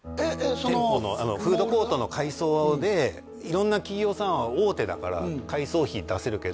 店舗のフードコートの改装で色んな企業さんは大手だから改装費出せるけど